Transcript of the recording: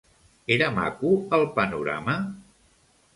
Era maco el panorama?